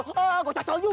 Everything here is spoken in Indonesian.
eh eh gua cocok juga lo